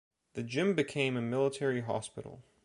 The Gym became a military hospital.